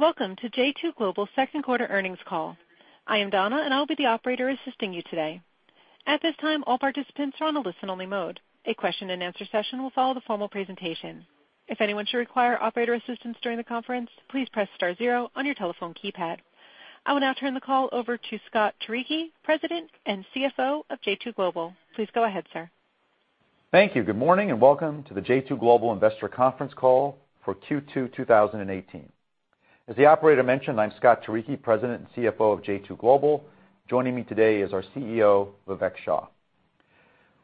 Welcome to j2 Global's second quarter earnings call. I am Donna, and I'll be the operator assisting you today. At this time, all participants are on a listen-only mode. A question and answer session will follow the formal presentation. If anyone should require operator assistance during the conference, please press star zero on your telephone keypad. I will now turn the call over to Scott Turicchi, President and CFO of j2 Global. Please go ahead, sir. Thank you. Good morning, welcome to the j2 Global Investor Conference Call for Q2 2018. As the operator mentioned, I'm Scott Turicchi, President and CFO of j2 Global. Joining me today is our CEO, Vivek Shah.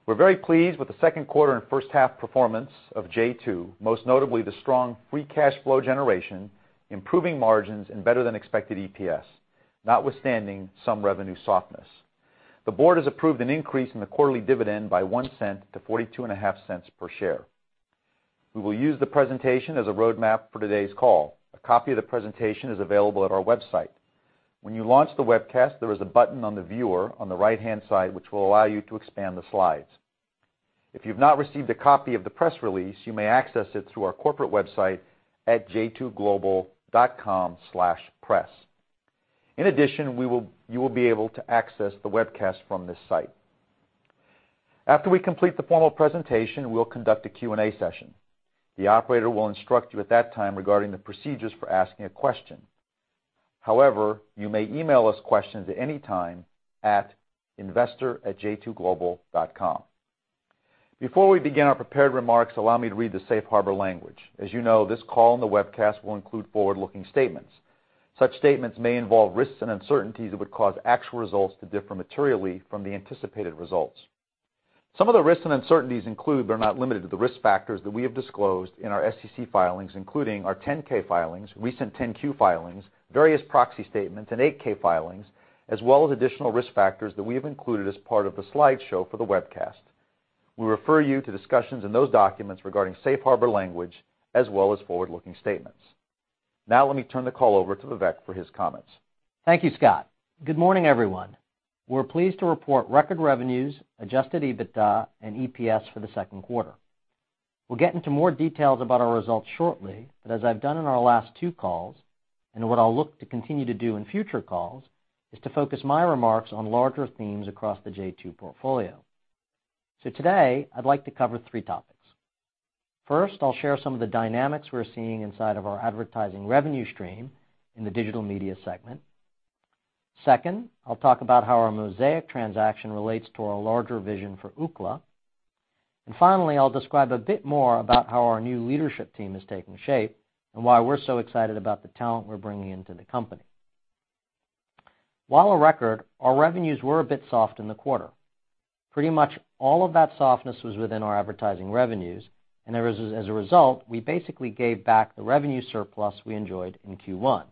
We're very pleased with the second quarter and first half performance of j2, most notably the strong free cash flow generation, improving margins, and better than expected EPS, notwithstanding some revenue softness. The board has approved an increase in the quarterly dividend by $0.01 to $0.425 per share. We will use the presentation as a roadmap for today's call. A copy of the presentation is available at our website. When you launch the webcast, there is a button on the viewer on the right-hand side, which will allow you to expand the slides. If you've not received a copy of the press release, you may access it through our corporate website at j2global.com/press. You will be able to access the webcast from this site. After we complete the formal presentation, we'll conduct a Q&A session. The operator will instruct you at that time regarding the procedures for asking a question. You may email us questions at any time at investor@j2global.com. Before we begin our prepared remarks, allow me to read the safe harbor language. As you know, this call and the webcast will include forward-looking statements. Such statements may involve risks and uncertainties that would cause actual results to differ materially from the anticipated results. Some of the risks and uncertainties include, but are not limited to, the risk factors that we have disclosed in our SEC filings, including our 10-K filings, recent 10-Q filings, various proxy statements, and 8-K filings, as well as additional risk factors that we have included as part of the slideshow for the webcast. We refer you to discussions in those documents regarding safe harbor language, as well as forward-looking statements. Let me turn the call over to Vivek for his comments. Thank you, Scott Turicchi. Good morning, everyone. We're pleased to report record revenues, adjusted EBITDA, and EPS for the second quarter. We'll get into more details about our results shortly. As I've done on our last two calls, and what I'll look to continue to do in future calls, is to focus my remarks on larger themes across the j2 Global portfolio. Today, I'd like to cover three topics. First, I'll share some of the dynamics we're seeing inside of our advertising revenue stream in the digital media segment. Second, I'll talk about how our Mosaik transaction relates to our larger vision for Ookla. Finally, I'll describe a bit more about how our new leadership team is taking shape and why we're so excited about the talent we're bringing into the company. While a record, our revenues were a bit soft in the quarter. Pretty much all of that softness was within our advertising revenues. As a result, we basically gave back the revenue surplus we enjoyed in Q1.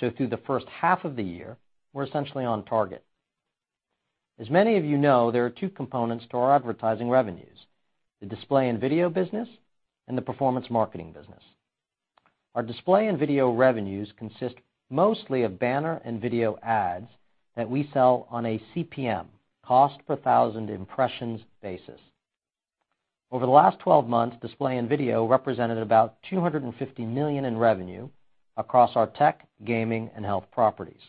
Through the first half of the year, we're essentially on target. As many of you know, there are two components to our advertising revenues, the display and video business and the performance marketing business. Our display and video revenues consist mostly of banner and video ads that we sell on a CPM, cost per thousand impressions basis. Over the last 12 months, display and video represented about $250 million in revenue across our tech, gaming, and health properties.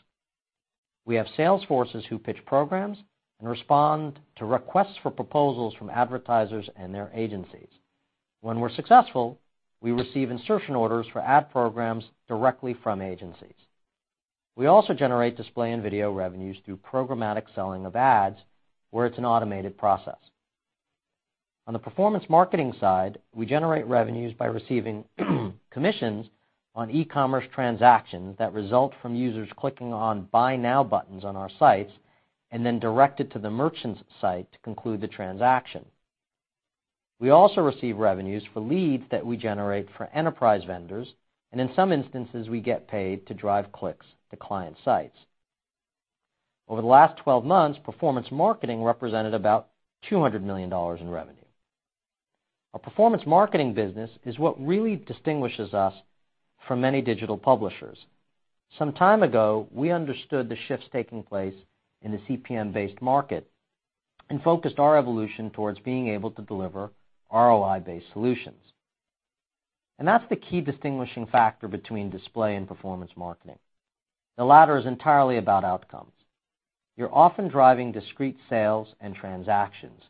We have sales forces who pitch programs and respond to requests for proposals from advertisers and their agencies. When we're successful, we receive insertion orders for ad programs directly from agencies. We also generate display and video revenues through programmatic selling of ads, where it's an automated process. On the performance marketing side, we generate revenues by receiving commissions on e-commerce transactions that result from users clicking on Buy Now buttons on our sites and then directed to the merchant's site to conclude the transaction. We also receive revenues for leads that we generate for enterprise vendors. In some instances, we get paid to drive clicks to client sites. Over the last 12 months, performance marketing represented about $200 million in revenue. Our performance marketing business is what really distinguishes us from many digital publishers. Some time ago, we understood the shifts taking place in the CPM-based market and focused our evolution towards being able to deliver ROI-based solutions. That's the key distinguishing factor between display and performance marketing. The latter is entirely about outcomes. You're often driving discrete sales and transactions.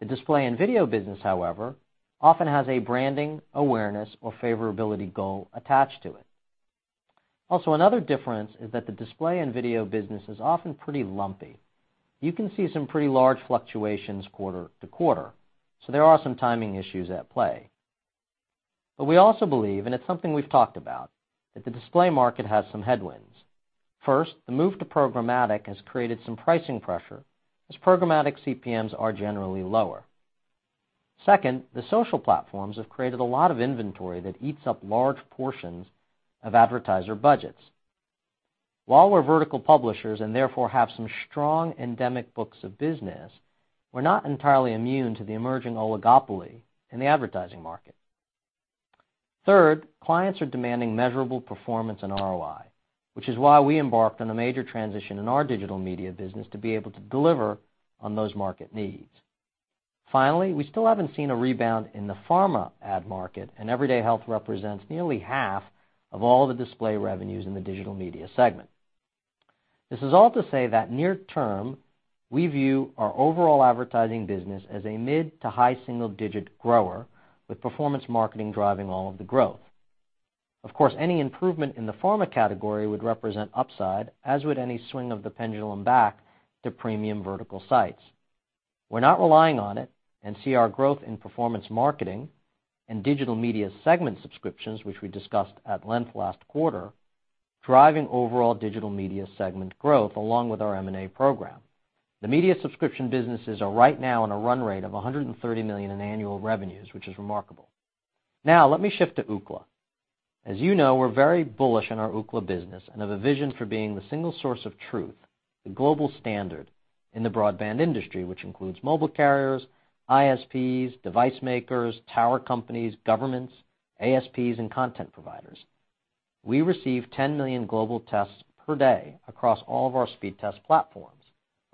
The display and video business, however, often has a branding, awareness, or favorability goal attached to it. Also, another difference is that the display and video business is often pretty lumpy. You can see some pretty large fluctuations quarter to quarter. There are some timing issues at play. We also believe, and it's something we've talked about, that the display market has some headwinds. First, the move to programmatic has created some pricing pressure, as programmatic CPMs are generally lower. Second, the social platforms have created a lot of inventory that eats up large portions of advertiser budgets. While we're vertical publishers and therefore have some strong endemic books of business, we're not entirely immune to the emerging oligopoly in the advertising market. Third, clients are demanding measurable performance and ROI, which is why we embarked on a major transition in our digital media business to be able to deliver on those market needs. Finally, we still haven't seen a rebound in the pharma ad market, Everyday Health represents nearly half of all the display revenues in the digital media segment. This is all to say that near term, we view our overall advertising business as a mid to high single-digit grower, with performance marketing driving all of the growth. Of course, any improvement in the pharma category would represent upside, as would any swing of the pendulum back to premium vertical sites. We're not relying on it and see our growth in performance marketing and digital media segment subscriptions, which we discussed at length last quarter, driving overall digital media segment growth along with our M&A program. The media subscription businesses are right now on a run rate of $130 million in annual revenues, which is remarkable. Now let me shift to Ookla. As you know, we're very bullish on our Ookla business and have a vision for being the single source of truth, the global standard in the broadband industry, which includes mobile carriers, ISPs, device makers, tower companies, governments, ASPs, and content providers. We receive 10 million global tests per day across all of our speed test platforms,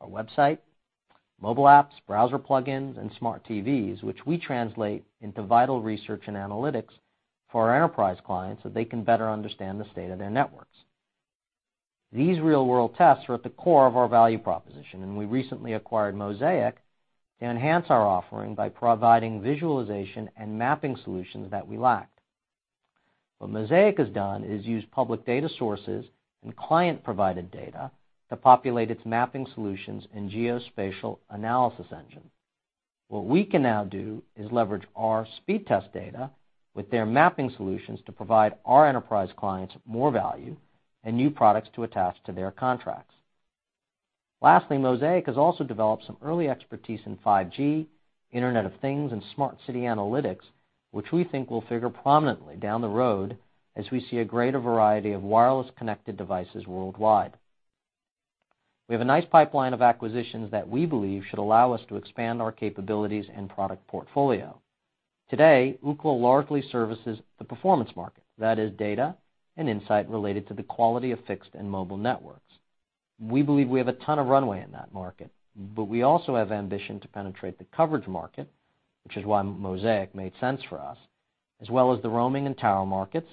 our website, mobile apps, browser plugins, and smart TVs, which we translate into vital research and analytics for our enterprise clients so they can better understand the state of their networks. These real-world tests are at the core of our value proposition, we recently acquired Mosaik to enhance our offering by providing visualization and mapping solutions that we lacked. What Mosaik has done is use public data sources and client-provided data to populate its mapping solutions and geospatial analysis engine. What we can now do is leverage our speed test data with their mapping solutions to provide our enterprise clients more value and new products to attach to their contracts. Lastly, Mosaik has also developed some early expertise in 5G, Internet of Things, and smart city analytics, which we think will figure prominently down the road as we see a greater variety of wireless connected devices worldwide. We have a nice pipeline of acquisitions that we believe should allow us to expand our capabilities and product portfolio. Today, Ookla largely services the performance market. That is data and insight related to the quality of fixed and mobile networks. We believe we have a ton of runway in that market, we also have ambition to penetrate the coverage market, which is why Mosaik made sense for us, as well as the roaming and tower markets,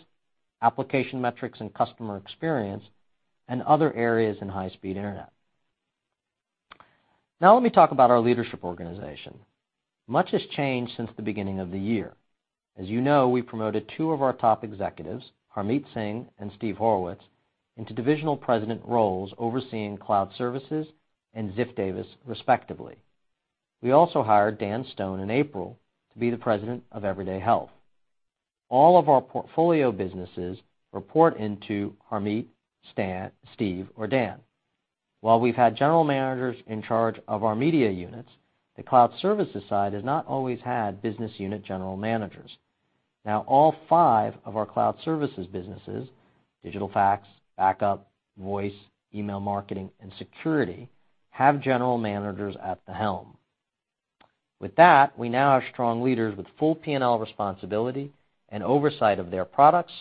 application metrics and customer experience, and other areas in high-speed internet. Now let me talk about our leadership organization. Much has changed since the beginning of the year. As you know, we promoted two of our top executives, Harmeet Singh and Steve Horowitz, into divisional President roles overseeing Cloud Services and Ziff Davis respectively. We also hired Dan Stone in April to be the President of Everyday Health. All of our portfolio businesses report into Harmeet, Steve, or Dan. While we've had general managers in charge of our media units, the Cloud Services side has not always had business unit general managers. All five of our Cloud Services businesses, digital Fax, backup, voice, email marketing, and security, have general managers at the helm. With that, we now have strong leaders with full P&L responsibility and oversight of their products,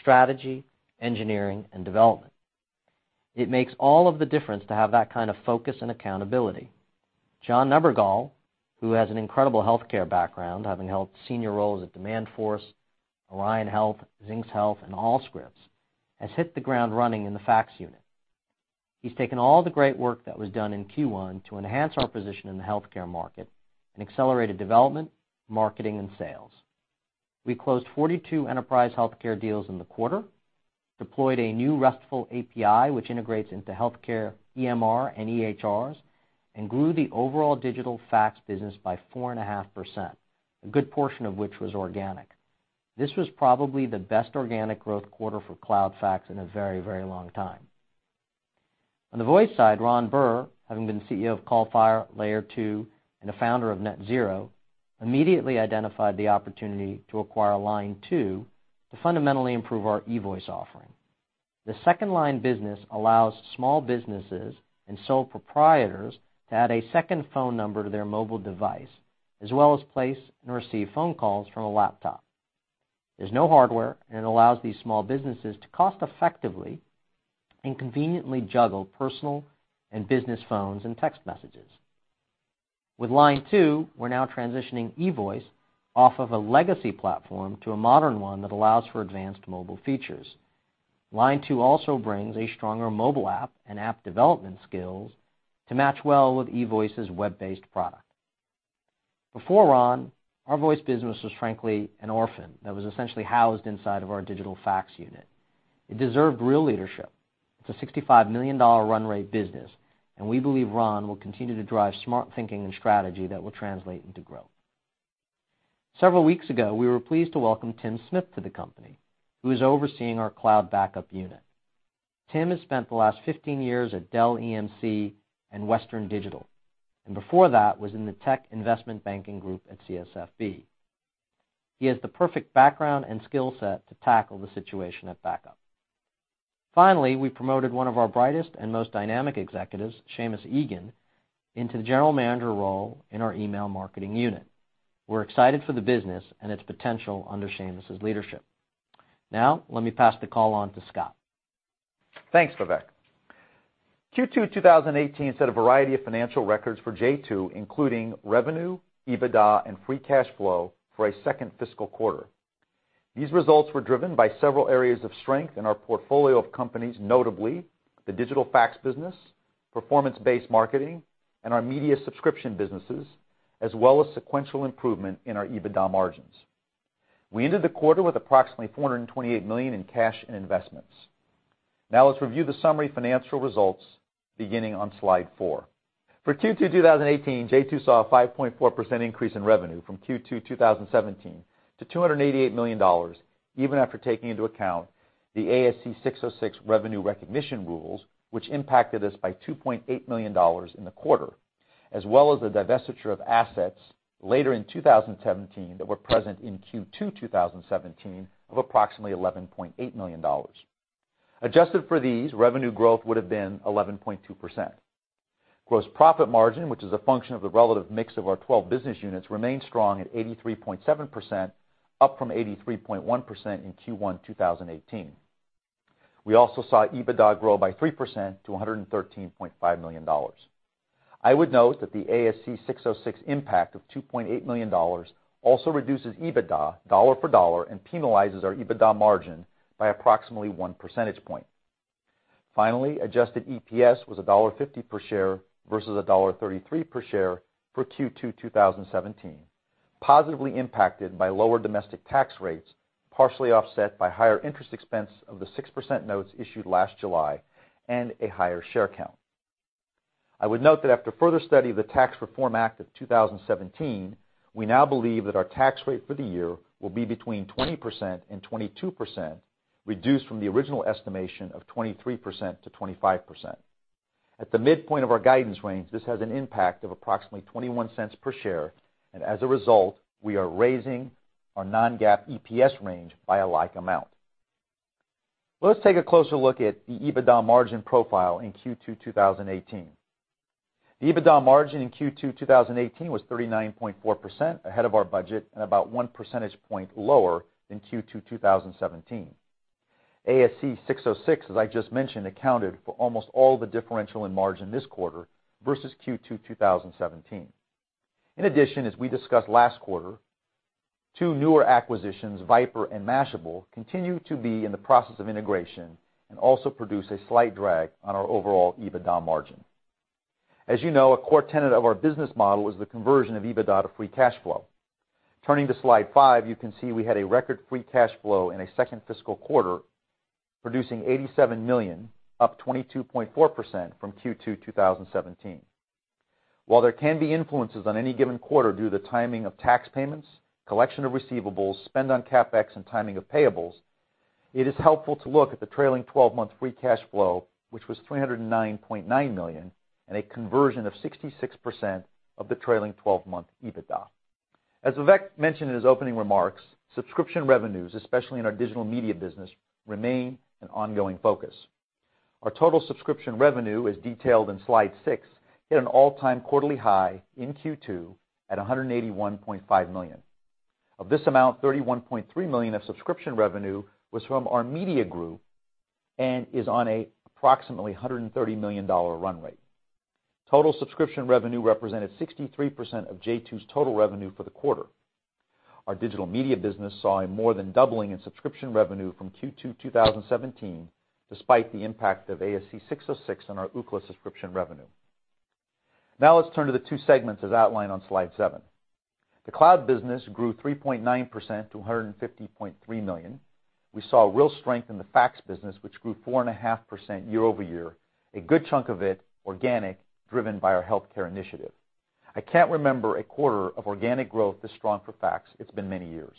strategy, engineering, and development. It makes all of the difference to have that kind of focus and accountability. John Neuberger, who has an incredible healthcare background, having held senior roles at Demandforce, Alliant Health, Zynx Health, and Allscripts, has hit the ground running in the Fax unit. He's taken all the great work that was done in Q1 to enhance our position in the healthcare market and accelerated development, marketing, and sales. We closed 42 enterprise healthcare deals in the quarter, deployed a new RESTful API, which integrates into healthcare EMR and EHRs, and grew the overall digital Fax business by 4.5%, a good portion of which was organic. This was probably the best organic growth quarter for Cloud Fax in a very, very long time. On the voice side, Ron Burr, having been CEO of CallFire, Layer2, and a founder of NetZero, immediately identified the opportunity to acquire Line2 to fundamentally improve our eVoice offering. The second line business allows small businesses and sole proprietors to add a second phone number to their mobile device, as well as place and receive phone calls from a laptop. There's no hardware. It allows these small businesses to cost-effectively and conveniently juggle personal and business phones and text messages. With Line2, we're now transitioning eVoice off of a legacy platform to a modern one that allows for advanced mobile features. Line2 also brings a stronger mobile app and app development skills to match well with eVoice's web-based product. Before Ron, our voice business was frankly an orphan that was essentially housed inside of our digital Fax unit. It deserved real leadership. It's a $65 million run rate business. We believe Ron will continue to drive smart thinking and strategy that will translate into growth. Several weeks ago, we were pleased to welcome Tim Smith to the company, who is overseeing our cloud backup unit. Tim has spent the last 15 years at Dell EMC and Western Digital, and before that was in the tech investment banking group at CSFB. He has the perfect background and skill set to tackle the situation at backup. Finally, we promoted one of our brightest and most dynamic executives, Seamus Egan, into the general manager role in our email marketing unit. We're excited for the business and its potential under Seamus' leadership. Let me pass the call on to Scott. Thanks, Vivek. Q2 2018 set a variety of financial records for j2, including revenue, EBITDA, and free cash flow for a second fiscal quarter. These results were driven by several areas of strength in our portfolio of companies, notably the digital Fax business, performance-based marketing, and our media subscription businesses, as well as sequential improvement in our EBITDA margins. We ended the quarter with approximately $428 million in cash and investments. Let's review the summary financial results beginning on slide four. For Q2 2018, j2 saw a 5.4% increase in revenue from Q2 2017 to $288 million, even after taking into account the ASC 606 revenue recognition rules, which impacted us by $2.8 million in the quarter, as well as the divestiture of assets later in 2017 that were present in Q2 2017 of approximately $11.8 million. Adjusted for these, revenue growth would have been 11.2%. Gross profit margin, which is a function of the relative mix of our 12 business units, remained strong at 83.7%, up from 83.1% in Q1 2018. We also saw EBITDA grow by 3% to $113.5 million. I would note that the ASC 606 impact of $2.8 million also reduces EBITDA dollar for dollar and penalizes our EBITDA margin by approximately one percentage point. Finally, adjusted EPS was $1.50 per share versus $1.33 per share for Q2 2017, positively impacted by lower domestic tax rates, partially offset by higher interest expense of the 6% notes issued last July and a higher share count. I would note that after further study of the Tax Cuts and Jobs Act of 2017, we now believe that our tax rate for the year will be between 20%-22%, reduced from the original estimation of 23%-25%. At the midpoint of our guidance range, this has an impact of approximately $0.21 per share, as a result, we are raising our non-GAAP EPS range by a like amount. Let's take a closer look at the EBITDA margin profile in Q2 2018. The EBITDA margin in Q2 2018 was 39.4%, ahead of our budget, and about one percentage point lower than Q2 2017. ASC 606, as I just mentioned, accounted for almost all the differential in margin this quarter versus Q2 2017. In addition, as we discussed last quarter, two newer acquisitions, VIPRE and Mashable, continue to be in the process of integration and also produce a slight drag on our overall EBITDA margin. As you know, a core tenet of our business model is the conversion of EBITDA to free cash flow. Turning to slide five, you can see we had a record free cash flow in a second fiscal quarter, producing $87 million, up 22.4% from Q2 2017. While there can be influences on any given quarter due to the timing of tax payments, collection of receivables, spend on CapEx, and timing of payables, it is helpful to look at the trailing 12-month free cash flow, which was $309.9 million, and a conversion of 66% of the trailing 12-month EBITDA. As Vivek mentioned in his opening remarks, subscription revenues, especially in our digital media business, remain an ongoing focus. Our total subscription revenue, as detailed in Slide 6, hit an all-time quarterly high in Q2 at $181.5 million. Of this amount, $31.3 million of subscription revenue was from our media group and is on approximately a $130 million run rate. Total subscription revenue represented 63% of j2 Global's total revenue for the quarter. Our digital media business saw a more than doubling in subscription revenue from Q2 2017, despite the impact of ASC 606 on our Ookla subscription revenue. Now let's turn to the two segments as outlined on Slide 7. The Cloud Services business grew 3.9% to $150.3 million. We saw real strength in the Fax business, which grew 4.5% year-over-year, a good chunk of it organic, driven by our healthcare initiative. I can't remember a quarter of organic growth this strong for Fax. It's been many years.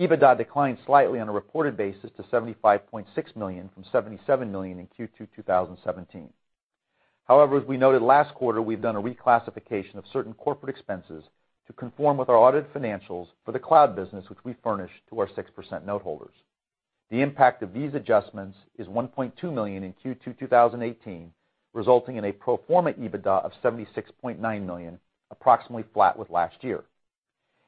EBITDA declined slightly on a reported basis to $75.6 million from $77 million in Q2 2017. However, as we noted last quarter, we've done a reclassification of certain corporate expenses to conform with our audited financials for the Cloud Services business, which we furnish to our 6% note holders. The impact of these adjustments is $1.2 million in Q2 2018, resulting in a pro forma EBITDA of $76.9 million, approximately flat with last year.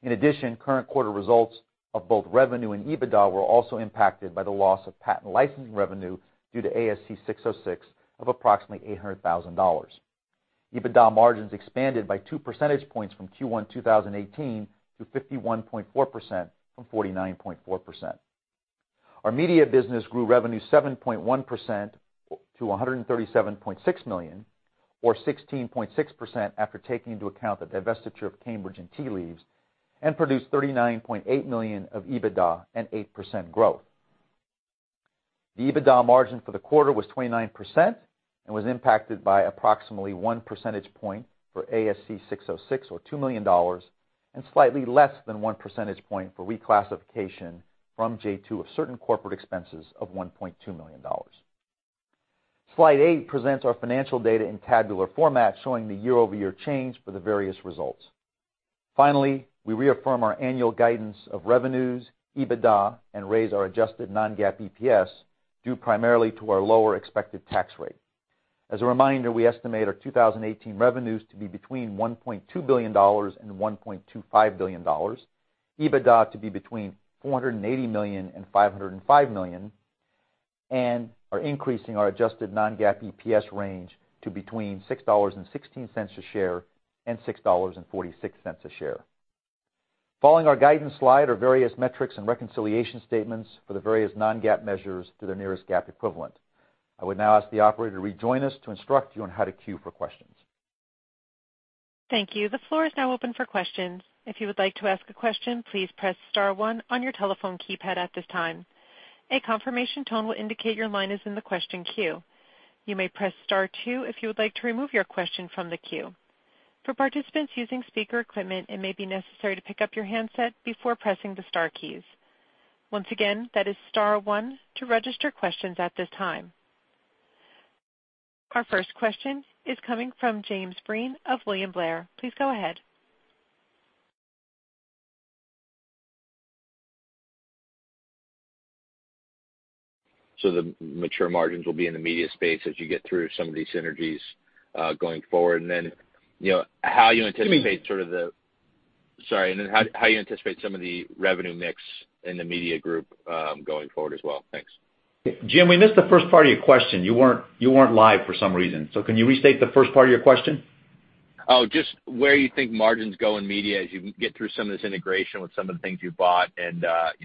In addition, current quarter results of both revenue and EBITDA were also impacted by the loss of patent licensing revenue due to ASC 606 of approximately $800,000. EBITDA margins expanded by two percentage points from Q1 2018 to 51.4% from 49.4%. Our media business grew revenue 7.1% to $137.6 million, or 16.6% after taking into account the divestiture of Cambridge and Tea Leaves, and produced $39.8 million of EBITDA and 8% growth. The EBITDA margin for the quarter was 29% and was impacted by approximately one percentage point for ASC 606, or $2 million, and slightly less than one percentage point for reclassification from j2 of certain corporate expenses of $1.2 million. Slide eight presents our financial data in tabular format, showing the year-over-year change for the various results. Finally, we reaffirm our annual guidance of revenues, EBITDA, and raise our adjusted non-GAAP EPS due primarily to our lower expected tax rate. As a reminder, we estimate our 2018 revenues to be between $1.2 billion and $1.25 billion, EBITDA to be between $480 million and $505 million, and are increasing our adjusted non-GAAP EPS range to between $6.16 a share and $6.46 a share. Following our guidance slide are various metrics and reconciliation statements for the various non-GAAP measures to their nearest GAAP equivalent. I would now ask the operator to rejoin us to instruct you on how to queue for questions. Thank you. The floor is now open for questions. If you would like to ask a question, please press star one on your telephone keypad at this time. A confirmation tone will indicate your line is in the question queue. You may press star two if you would like to remove your question from the queue. For participants using speaker equipment, it may be necessary to pick up your handset before pressing the star keys. Once again, that is star one to register questions at this time. Our first question is coming from James Breen of William Blair. Please go ahead. The mature margins will be in the media space as you get through some of these synergies, going forward. How you anticipate- Jim. Sorry, then how you anticipate some of the revenue mix in the media group, going forward as well. Thanks. Jim, we missed the first part of your question. You weren't live for some reason. Can you restate the first part of your question? Just where you think margins go in media as you get through some of this integration with some of the things you've bought, and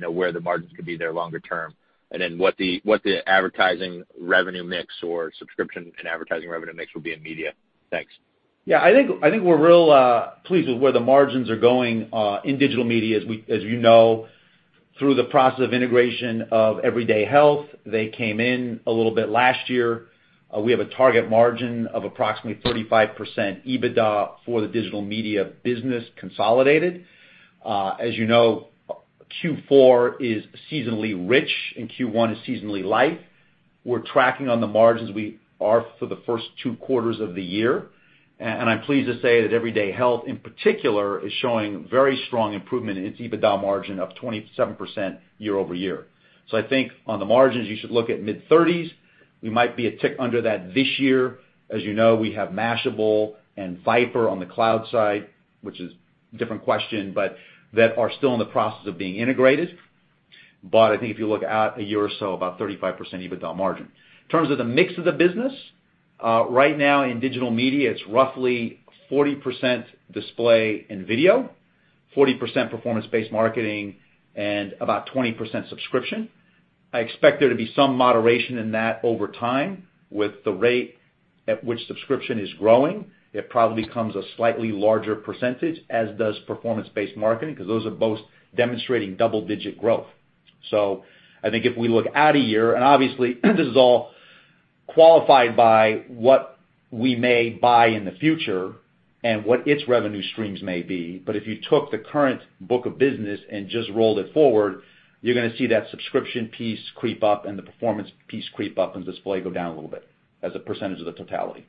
where the margins could be there longer term. Then what the advertising revenue mix or subscription and advertising revenue mix will be in media. Thanks. I think we're real pleased with where the margins are going in digital media. As you know, through the process of integration of Everyday Health, they came in a little bit last year. We have a target margin of approximately 35% EBITDA for the digital media business consolidated. As you know, Q4 is seasonally rich and Q1 is seasonally light. We're tracking on the margins we are for the first two quarters of the year, and I'm pleased to say that Everyday Health in particular is showing very strong improvement in its EBITDA margin of 27% year-over-year. I think on the margins, you should look at mid-30s. We might be a tick under that this year. As you know, we have Mashable and VIPRE on the cloud side, which is different question, but that are still in the process of being integrated. I think if you look out a year or so, about 35% EBITDA margin. In terms of the mix of the business, right now in digital media, it's roughly 40% display and video, 40% performance-based marketing, and about 20% subscription. I expect there to be some moderation in that over time with the rate at which subscription is growing. It probably becomes a slightly larger percentage, as does performance-based marketing, because those are both demonstrating double-digit growth. I think if we look out a year, and obviously this is all qualified by what we may buy in the future and what its revenue streams may be, but if you took the current book of business and just rolled it forward, you're going to see that subscription piece creep up and the performance piece creep up and display go down a little bit as a percentage of the totality.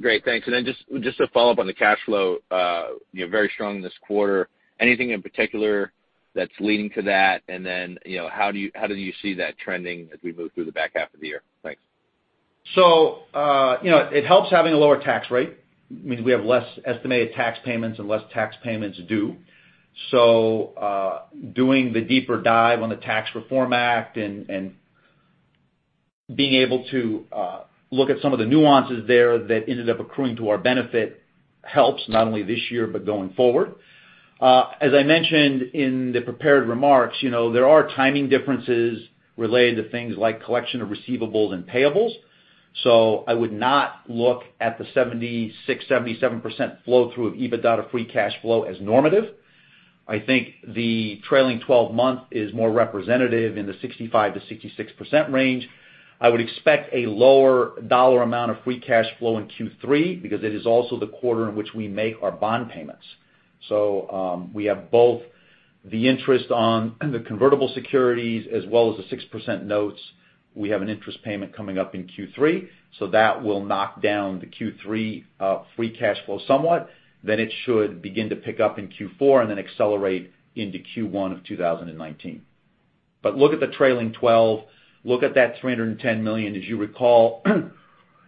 Great, thanks. Then just to follow up on the cash flow, very strong this quarter. Anything in particular that's leading to that? Then, how do you see that trending as we move through the back half of the year? Thanks. It helps having a lower tax rate, means we have less estimated tax payments and less tax payments due. Doing the deeper dive on the Tax Reform Act and being able to look at some of the nuances there that ended up accruing to our benefit helps, not only this year but going forward. As I mentioned in the prepared remarks, there are timing differences related to things like collection of receivables and payables. I would not look at the 76%-77% flow through of EBITDA to free cash flow as normative. I think the trailing 12-month is more representative in the 65%-66% range. I would expect a lower dollar amount of free cash flow in Q3 because it is also the quarter in which we make our bond payments. We have both the interest on the convertible securities as well as the 6% notes. We have an interest payment coming up in Q3, so that will knock down the Q3 free cash flow somewhat. It should begin to pick up in Q4 and then accelerate into Q1 of 2019. Look at the trailing 12, look at that $310 million. As you recall,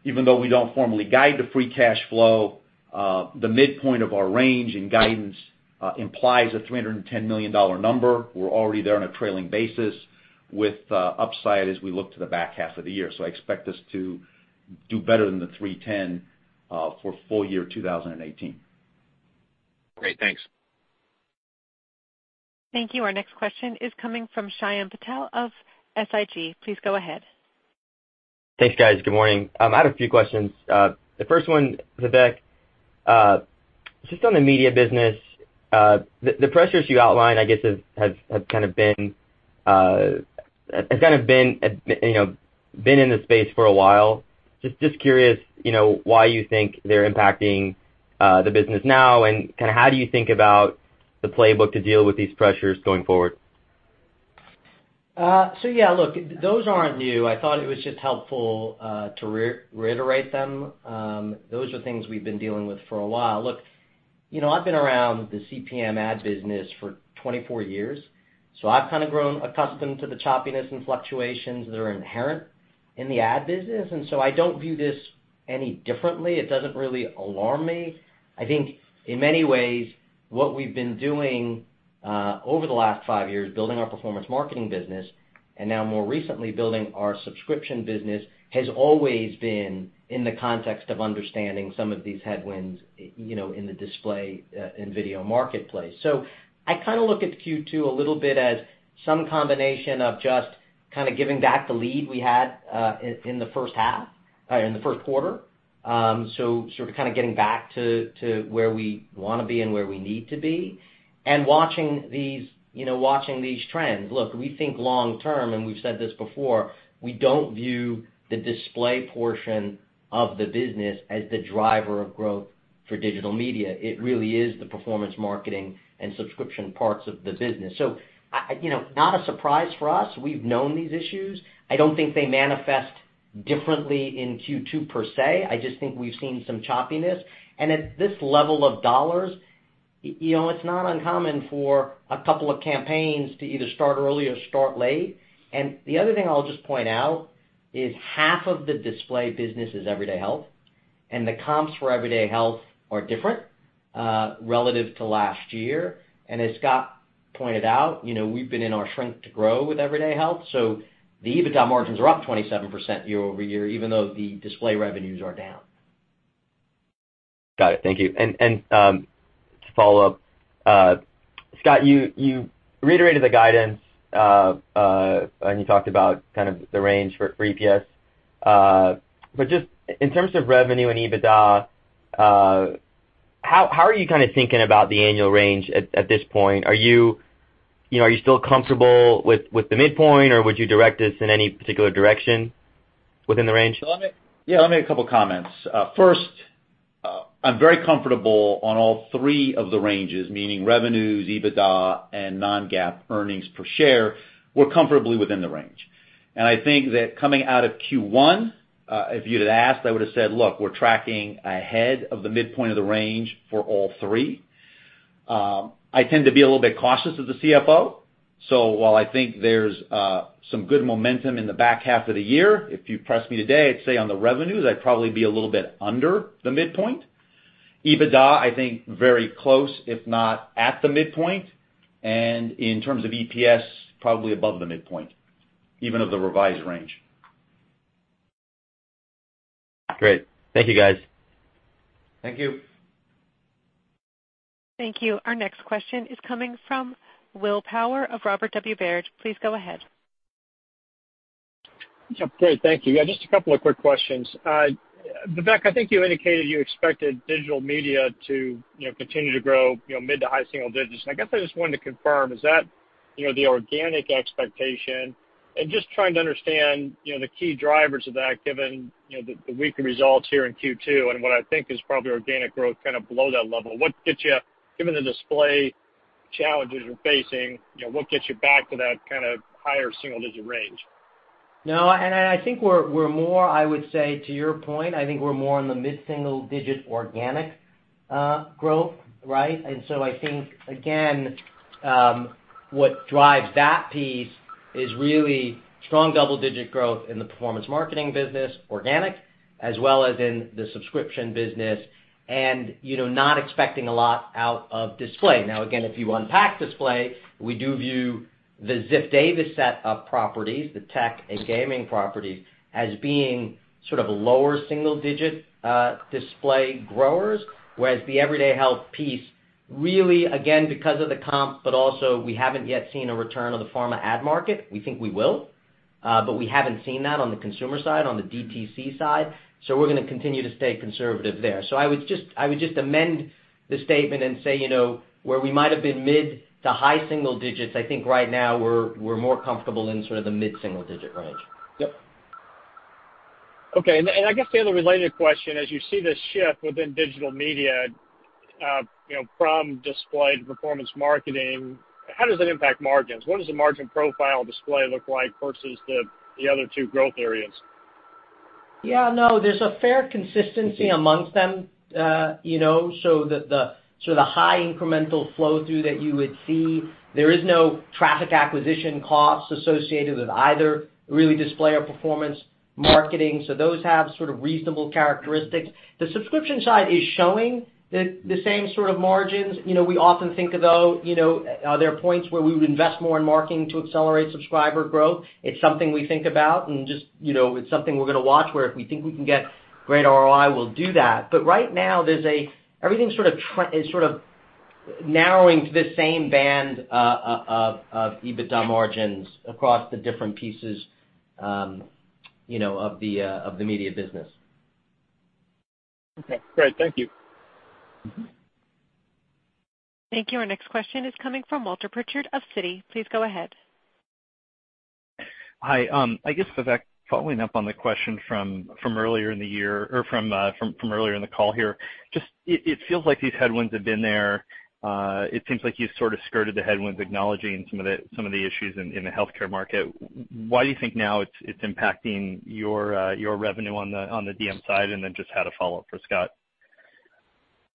even though we don't formally guide the free cash flow, the midpoint of our range in guidance implies a $310 million number. We're already there on a trailing basis with upside as we look to the back half of the year. I expect us to do better than the $310 million for full year 2018. Great. Thanks. Thank you. Our next question is coming from Shyam Patil of SIG. Please go ahead. Thanks, guys. Good morning. I have a few questions. The first one, Vivek, just on the media business. The pressures you outlined, I guess, have been in the space for a while. Just curious why you think they're impacting the business now, and how do you think about the playbook to deal with these pressures going forward? Yeah, look, those aren't new. I thought it was just helpful to reiterate them. Those are things we've been dealing with for a while. Look, I've been around the CPM ad business for 24 years, I've kind of grown accustomed to the choppiness and fluctuations that are inherent in the ad business, I don't view this any differently. It doesn't really alarm me. I think in many ways, what we've been doing over the last five years, building our performance marketing business, and now more recently building our subscription business, has always been in the context of understanding some of these headwinds in the display and video marketplace. I kind of look at Q2 a little bit as some combination of just kind of giving back the lead we had in the first quarter. Getting back to where we want to be and where we need to be and watching these trends. Look, we think long term, we've said this before, we don't view the display portion of the business as the driver of growth for digital media. It really is the performance marketing and subscription parts of the business. Not a surprise for us. We've known these issues. I don't think they manifest differently in Q2 per se. I just think we've seen some choppiness. At this level of dollars, it's not uncommon for a couple of campaigns to either start early or start late. The other thing I'll just point out is half of the display business is Everyday Health, and the comps for Everyday Health are different relative to last year. As Scott pointed out, we've been in our shrink to grow with Everyday Health. The EBITDA margins are up 27% year-over-year, even though the display revenues are down. Got it. Thank you. To follow up, Scott, you reiterated the guidance, and you talked about kind of the range for EPS. Just in terms of revenue and EBITDA, how are you kind of thinking about the annual range at this point? Are you still comfortable with the midpoint, or would you direct us in any particular direction within the range? Yeah. Let me make a couple comments. First, I'm very comfortable on all three of the ranges, meaning revenues, EBITDA, and non-GAAP earnings per share, we're comfortably within the range. I think that coming out of Q1, if you'd have asked, I would've said, look, we're tracking ahead of the midpoint of the range for all three. I tend to be a little bit cautious as a CFO, so while I think there's some good momentum in the back half of the year, if you press me today, I'd say on the revenues, I'd probably be a little bit under the midpoint. EBITDA, I think very close, if not at the midpoint, in terms of EPS, probably above the midpoint, even of the revised range. Great. Thank you guys. Thank you. Thank you. Our next question is coming from Will Power of Robert W. Baird. Please go ahead. Great. Thank you. Yeah, just a couple of quick questions. Vivek, I think you indicated you expected digital media to continue to grow mid to high single digits, and I guess I just wanted to confirm, is that the organic expectation? Just trying to understand the key drivers of that, given the weaker results here in Q2 and what I think is probably organic growth kind of below that level. Given the display challenges you're facing, what gets you back to that kind of higher single-digit range? No, I think we're more, I would say to your point, I think we're more in the mid-single-digit organic growth, right? I think, again, what drives that piece is really strong double-digit growth in the performance marketing business, organic, as well as in the subscription business and not expecting a lot out of display. Again, if you unpack display, we do view the Ziff Davis set of properties, the tech and gaming properties, as being sort of a lower single-digit display growers, whereas the Everyday Health piece really, again, because of the comps, but also we haven't yet seen a return of the pharma ad market. We think we will, but we haven't seen that on the consumer side, on the DTC side. We're going to continue to stay conservative there. I would just amend the statement and say where we might have been mid-to-high single digits, I think right now we're more comfortable in sort of the mid-single-digit range. Yep. Okay. I guess the other related question, as you see this shift within digital media from display to performance marketing, how does that impact margins? What does the margin profile display look like versus the other two growth areas? Yeah. No, there's a fair consistency amongst them. The high incremental flow through that you would see, there is no traffic acquisition costs associated with either really display or performance marketing. Those have sort of reasonable characteristics. The subscription side is showing the same sort of margins. We often think about, are there points where we would invest more in marketing to accelerate subscriber growth? It's something we think about and just it's something we're going to watch where if we think we can get great ROI, we'll do that. Right now, everything is sort of narrowing to this same band of EBITDA margins across the different pieces of the media business. Okay. Great. Thank you. Thank you. Our next question is coming from Walter Pritchard of Citi. Please go ahead. Hi. I guess, Vivek, following up on the question from earlier in the year or from earlier in the call here. It feels like these headwinds have been there. It seems like you've sort of skirted the headwinds, acknowledging some of the issues in the healthcare market. Why do you think now it's impacting your revenue on the DM side? And then just had a follow-up for Scott.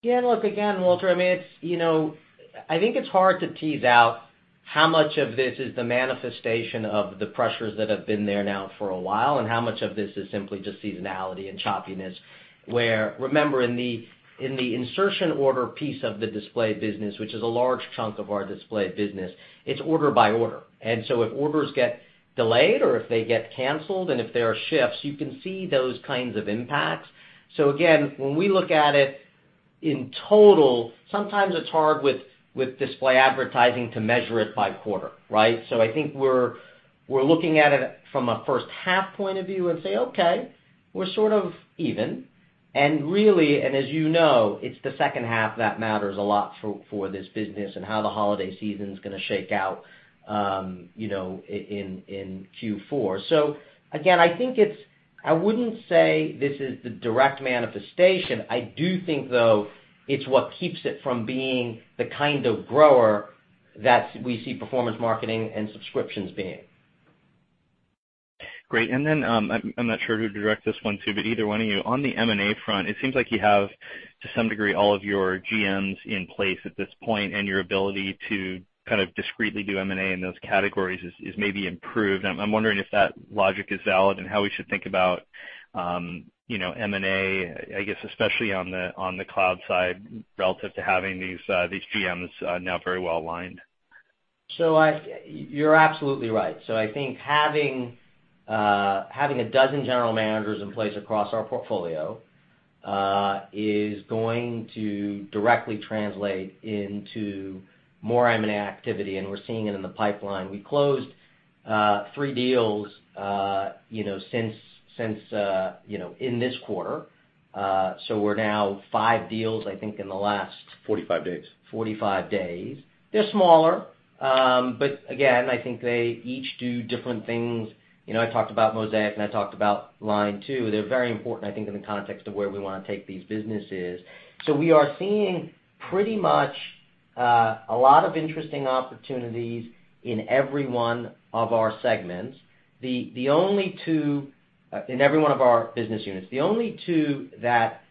Yeah. Look, again, Walter, I think it's hard to tease out how much of this is the manifestation of the pressures that have been there now for a while, and how much of this is simply just seasonality and choppiness. Where, remember, in the insertion order piece of the display business, which is a large chunk of our display business, it's order by order. So if orders get delayed or if they get canceled and if there are shifts, you can see those kinds of impacts. Again, when we look at it in total, sometimes it's hard with display advertising to measure it by quarter. Right? I think we're looking at it from a first half point of view and say, "Okay, we're sort of even." Really, and as you know, it's the second half that matters a lot for this business and how the holiday season's going to shake out in Q4. Again, I wouldn't say this is the direct manifestation. I do think, though, it's what keeps it from being the kind of grower that we see performance marketing and subscriptions being. Great. Then, I'm not sure who to direct this one to, but either one of you. On the M&A front, it seems like you have, to some degree, all of your GMs in place at this point, and your ability to kind of discreetly do M&A in those categories is maybe improved. I'm wondering if that logic is valid and how we should think about M&A, I guess, especially on the Cloud side, relative to having these GMs now very well aligned. You're absolutely right. I think having a dozen general managers in place across our portfolio is going to directly translate into more M&A activity, and we're seeing it in the pipeline. We closed three deals in this quarter. We're now five deals, I think, in the last 45 days 45 days. They're smaller. Again, I think they each do different things. I talked about Mosaik and I talked about Line2. They're very important, I think, in the context of where we want to take these businesses. We are seeing pretty much a lot of interesting opportunities in every one of our segments. In every one of our business units. The only two that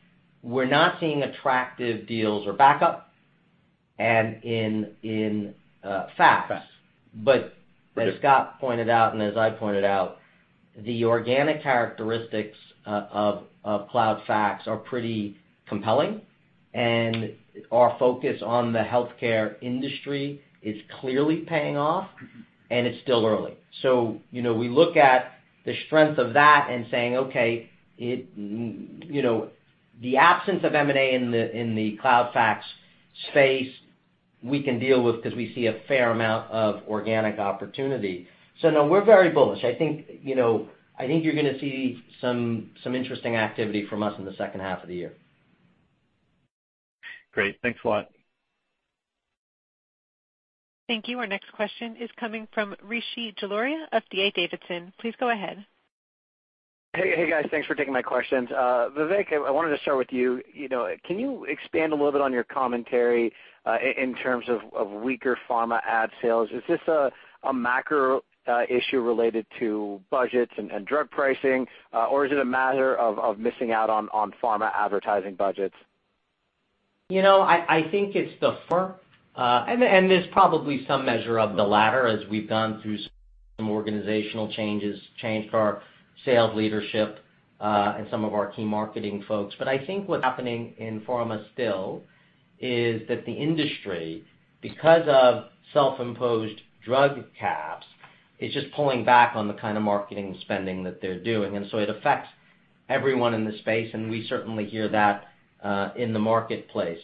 we're not seeing attractive deals are Backup and in Fax. Fax. Okay. As Scott pointed out, and as I pointed out, the organic characteristics of Cloud Fax are pretty compelling, and our focus on the healthcare industry is clearly paying off, and it's still early. We look at the strength of that and saying, "Okay, the absence of M&A in the Cloud Fax space we can deal with because we see a fair amount of organic opportunity." No, we're very bullish. I think you're going to see some interesting activity from us in the second half of the year. Great. Thanks a lot. Thank you. Our next question is coming from Rishi Jaluria of D.A. Davidson. Please go ahead. Hey, guys. Thanks for taking my questions. Vivek, I wanted to start with you. Can you expand a little bit on your commentary in terms of weaker pharma ad sales? Is this a macro issue related to budgets and drug pricing? Or is it a matter of missing out on pharma advertising budgets? I think it's the former. There's probably some measure of the latter as we've gone through some organizational changes, changed our sales leadership, and some of our key marketing folks. I think what's happening in pharma still is that the industry, because of self-imposed drug caps, is just pulling back on the kind of marketing spending that they're doing. It affects everyone in the space, and we certainly hear that in the marketplace.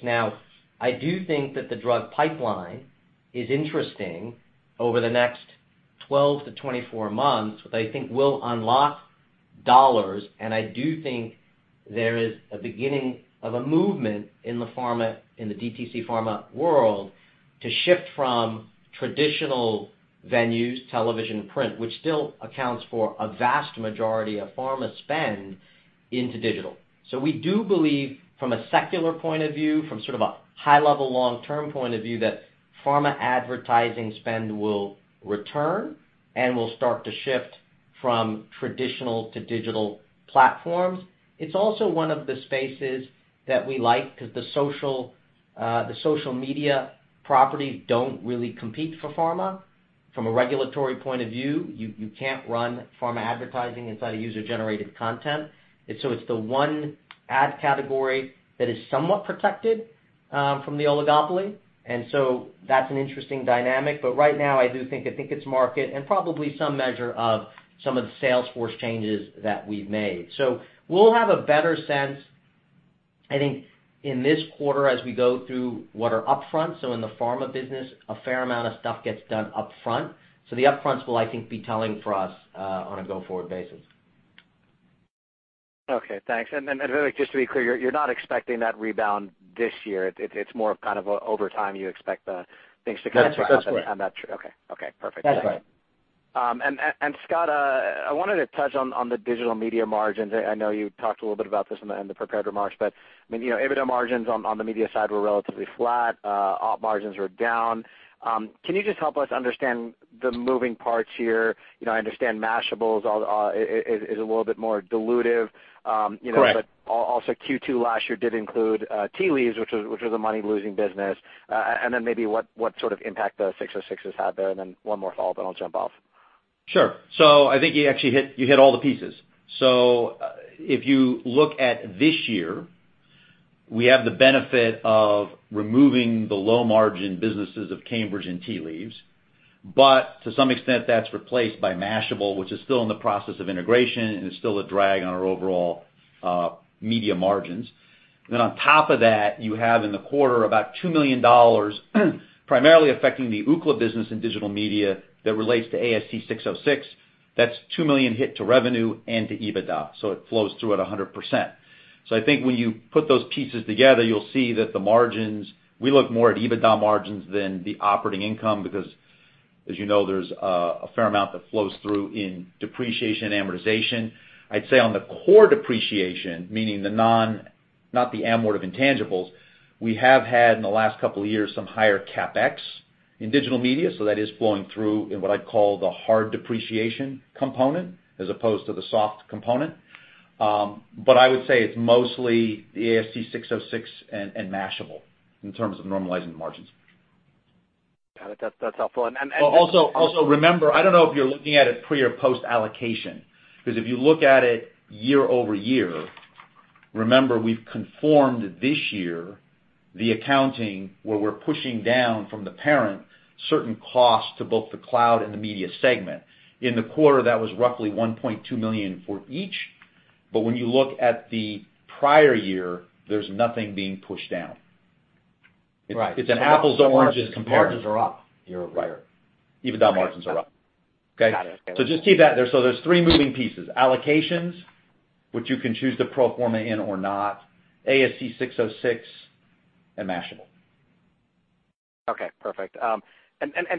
I do think that the drug pipeline is interesting over the next 12 months-24 months, that I think will unlock dollars. I do think there is a beginning of a movement in the DTC pharma world to shift from traditional venues, television, print, which still accounts for a vast majority of pharma spend, into digital. We do believe from a secular point of view, from sort of a high-level long-term point of view, that pharma advertising spend will return and will start to shift from traditional to digital platforms. It's also one of the spaces that we like because the social media properties don't really compete for pharma. From a regulatory point of view, you can't run pharma advertising inside a user-generated content. It's the one ad category that is somewhat protected from the oligopoly, that's an interesting dynamic. Right now, I do think it's market and probably some measure of some of the sales force changes that we've made. We'll have a better sense, I think, in this quarter as we go through what are upfront. In the pharma business, a fair amount of stuff gets done upfront. The upfronts will, I think, be telling for us on a go-forward basis. Okay, thanks. Vivek, just to be clear, you're not expecting that rebound this year. It's more of kind of over time you expect the things to kind of shake up. That's correct on that trend. Okay. Okay, perfect. That's right. Scott, I wanted to touch on the digital media margins. I know you talked a little bit about this in the prepared remarks, but EBITDA margins on the media side were relatively flat. Op margins were down. Can you just help us understand the moving parts here? I understand Mashable is a little bit more dilutive. Correct. Also Q2 last year did include Tea Leaves, which was a money-losing business. Maybe what sort of impact the 606 has had there? One more follow-up, and I'll jump off. Sure. I think you actually hit all the pieces. If you look at this year, we have the benefit of removing the low-margin businesses of Cambridge and Tea Leaves. To some extent, that's replaced by Mashable, which is still in the process of integration and is still a drag on our overall media margins. On top of that, you have in the quarter about $2 million primarily affecting the Ookla business in digital media that relates to ASC 606. That's $2 million hit to revenue and to EBITDA, it flows through at 100%. I think when you put those pieces together, you'll see that the margins, we look more at EBITDA margins than the operating income, because, as you know, there's a fair amount that flows through in depreciation and amortization. I'd say on the core depreciation, meaning not the amort of intangibles, we have had in the last couple of years, some higher CapEx in digital media. That is flowing through in what I'd call the hard depreciation component as opposed to the soft component. I would say it's mostly the ASC 606 and Mashable in terms of normalizing the margins. Got it. That's helpful. Also remember, I don't know if you're looking at it pre or post-allocation, because if you look at it year-over-year, remember, we've conformed this year the accounting where we're pushing down from the parent certain costs to both the Cloud and the media segment. In the quarter, that was roughly $1.2 million for each. When you look at the prior year, there's nothing being pushed down. Right. It's an apples to oranges comparison. Margins are up year-over-year. Right. EBITDA margins are up. Okay? Got it. Just keep that. There's three moving pieces, allocations, which you can choose to pro forma in or not, ASC 606, and Mashable. Okay, perfect.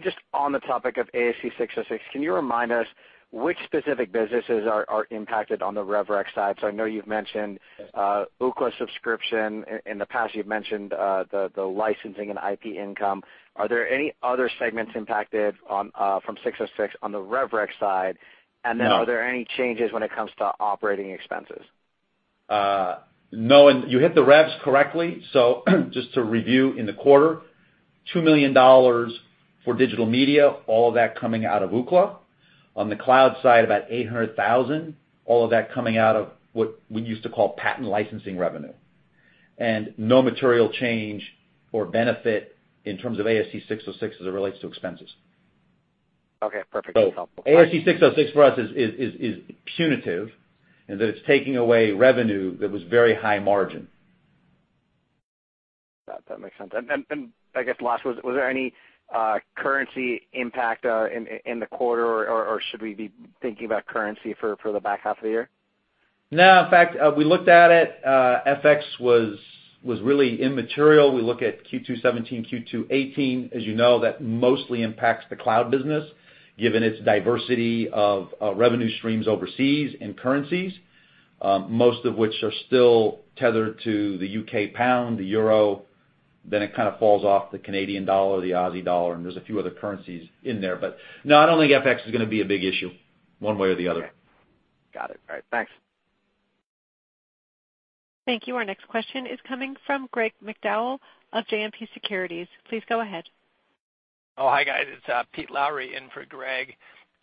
Just on the topic of ASC 606, can you remind us which specific businesses are impacted on the rev rec side? I know you've mentioned Ookla subscription. In the past, you've mentioned the licensing and IP income. Are there any other segments impacted from 606 on the rev rec side? No. Are there any changes when it comes to operating expenses? No, you hit the revs correctly. Just to review in the quarter, $2 million for digital media, all of that coming out of Ookla. On the cloud side, about $800,000, all of that coming out of what we used to call patent licensing revenue. No material change or benefit in terms of ASC 606 as it relates to expenses. Okay, perfect. ASC 606 for us is punitive in that it's taking away revenue that was very high margin. That makes sense. I guess last, was there any currency impact in the quarter, or should we be thinking about currency for the back half of the year? No. In fact, we looked at it. FX was really immaterial. We look at Q2 2017, Q2 2018. As you know, that mostly impacts the cloud business, given its diversity of revenue streams overseas in currencies. Most of which are still tethered to the U.K. pound, the euro, then it kind of falls off the Canadian dollar, the Aussie dollar, and there's a few other currencies in there. No, I don't think FX is going to be a big issue one way or the other. Got it. All right. Thanks. Thank you. Our next question is coming from Greg McDowell of JMP Securities. Please go ahead. Oh, hi guys. It's Pete Lowry in for Greg. Hey.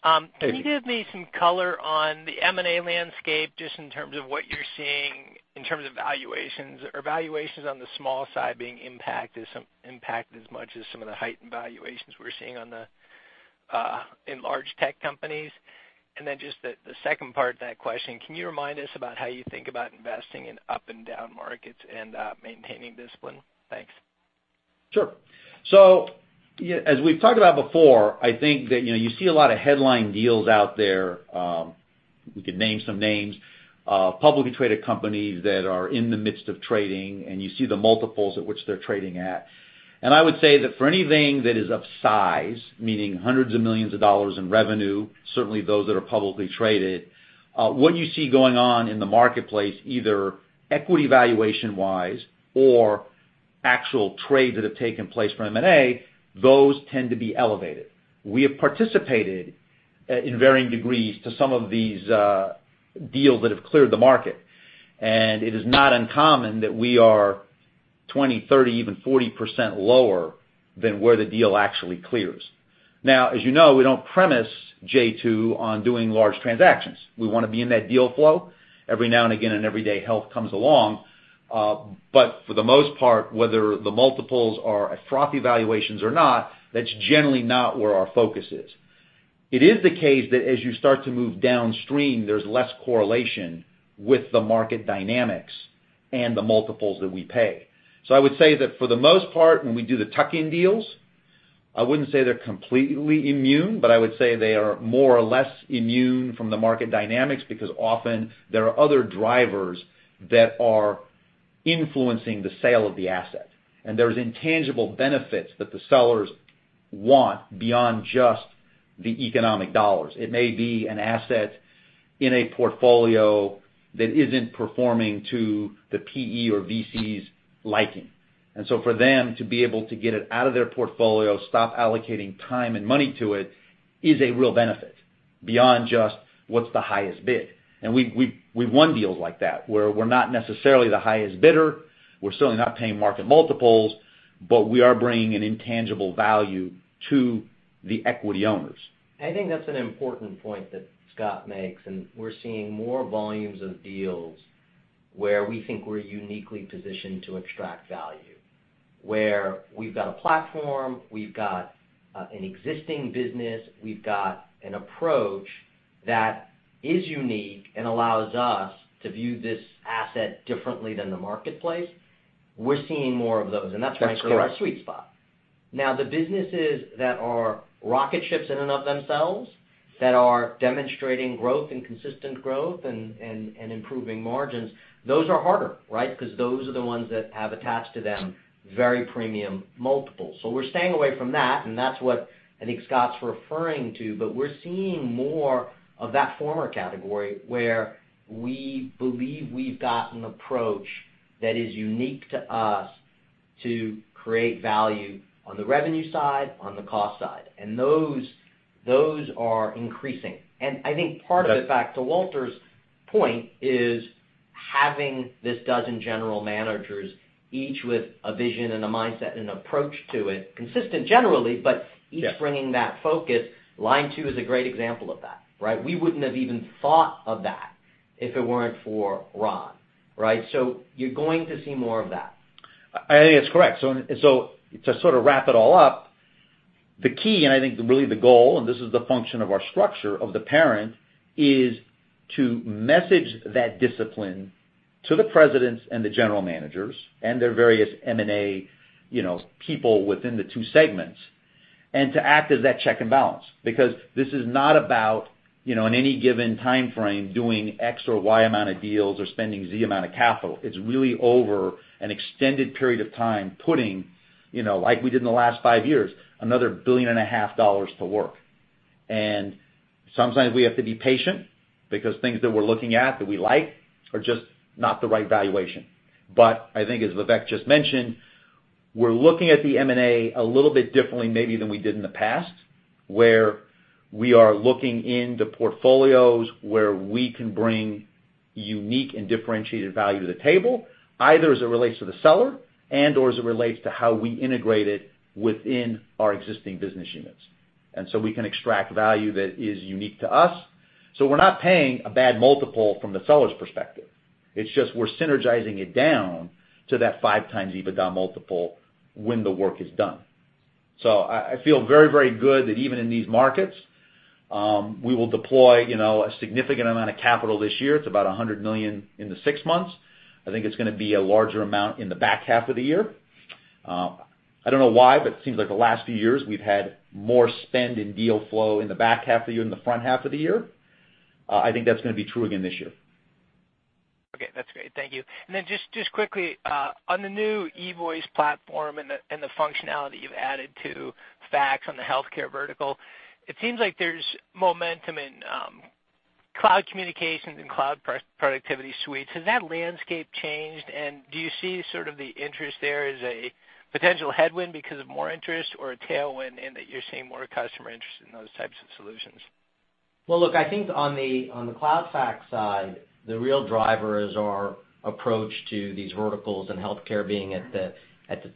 Can you give me some color on the M&A landscape, just in terms of what you're seeing in terms of valuations, or valuations on the small side being impacted as much as some of the heightened valuations we're seeing in large tech companies? Then just the second part to that question, can you remind us about how you think about investing in up and down markets and maintaining discipline? Thanks. Sure. As we've talked about before, I think that you see a lot of headline deals out there. We could name some names. Publicly traded companies that are in the midst of trading, you see the multiples at which they're trading at. I would say that for anything that is of size, meaning hundreds of millions of dollars in revenue, certainly those that are publicly traded, what you see going on in the marketplace, either equity valuation-wise or actual trades that have taken place for M&A, those tend to be elevated. We have participated in varying degrees to some of these deals that have cleared the market, and it is not uncommon that we are 20, 30, even 40% lower than where the deal actually clears. As you know, we don't premise j2 on doing large transactions. We want to be in that deal flow every now and again, an Everyday Health comes along. For the most part, whether the multiples are frothy valuations or not, that's generally not where our focus is. It is the case that as you start to move downstream, there's less correlation with the market dynamics and the multiples that we pay. I would say that for the most part, when we do the tuck-in deals I wouldn't say they're completely immune, but I would say they are more or less immune from the market dynamics because often there are other drivers that are influencing the sale of the asset. There's intangible benefits that the sellers want beyond just the economic $. It may be an asset in a portfolio that isn't performing to the PE or VC's liking. For them to be able to get it out of their portfolio, stop allocating time and money to it is a real benefit beyond just what's the highest bid. We've won deals like that where we're not necessarily the highest bidder, we're certainly not paying market multiples, but we are bringing an intangible value to the equity owners. I think that's an important point that Scott makes. We're seeing more volumes of deals where we think we're uniquely positioned to extract value. Where we've got a platform, we've got an existing business, we've got an approach that is unique and allows us to view this asset differently than the marketplace. We're seeing more of those, and that's frankly. That's correct our sweet spot. The businesses that are rocket ships in and of themselves, that are demonstrating growth and consistent growth and improving margins, those are harder, right? Because those are the ones that have attached to them very premium multiples. We're staying away from that, and that's what I think Scott's referring to. We're seeing more of that former category where we believe we've got an approach that is unique to us to create value on the revenue side, on the cost side. Those are increasing. I think part of it. Yes back to Walter's point is having this 12 general managers, each with a vision and a mindset and approach to it, consistent generally. Yes Each bringing that focus. Line2 is a great example of that, right? We wouldn't have even thought of that if it weren't for Ron. Right? You're going to see more of that. I think it's correct. To sort of wrap it all up, the key and I think really the goal, and this is the function of our structure of the parent, is to message that discipline to the presidents and the general managers and their various M&A people within the two segments, and to act as that check and balance. This is not about, in any given timeframe, doing X or Y amount of deals or spending Z amount of capital. It's really over an extended period of time putting, like we did in the last five years, another billion and a half dollars to work. Sometimes we have to be patient because things that we're looking at that we like are just not the right valuation. I think as Vivek just mentioned, we're looking at the M&A a little bit differently maybe than we did in the past, where we are looking into portfolios where we can bring unique and differentiated value to the table, either as it relates to the seller and/or as it relates to how we integrate it within our existing business units. We can extract value that is unique to us. We're not paying a bad multiple from the seller's perspective. It's just we're synergizing it down to that 5x EBITDA multiple when the work is done. I feel very good that even in these markets, we will deploy a significant amount of capital this year. It's about $100 million in the six months. I think it's going to be a larger amount in the back half of the year. I don't know why, it seems like the last few years we've had more spend and deal flow in the back half of the year than the front half of the year. I think that's going to be true again this year. Okay, that's great. Thank you. Just quickly, on the new eVoice platform and the functionality you've added to Fax on the healthcare vertical, it seems like there's momentum in Cloud Communications and Cloud Productivity Suites. Has that landscape changed, do you see sort of the interest there as a potential headwind because of more interest or a tailwind in that you're seeing more customer interest in those types of solutions? Look, I think on the Cloud Fax side, the real driver is our approach to these verticals and healthcare being at the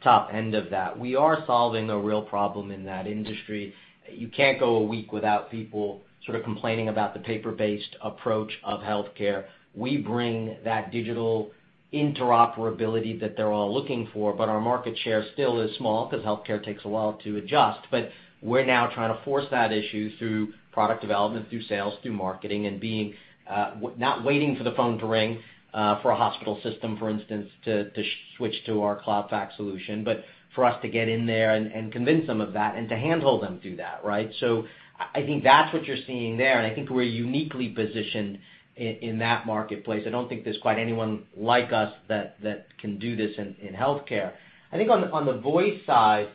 top end of that. We are solving a real problem in that industry. You can't go a week without people sort of complaining about the paper-based approach of healthcare. We bring that digital interoperability that they're all looking for, our market share still is small because healthcare takes a while to adjust. We're now trying to force that issue through product development, through sales, through marketing, and not waiting for the phone to ring for a hospital system, for instance, to switch to our Cloud Fax solution. For us to get in there and convince them of that and to handhold them through that, right? I think that's what you're seeing there, and I think we're uniquely positioned in that marketplace. I don't think there's quite anyone like us that can do this in healthcare. I think on the voice side,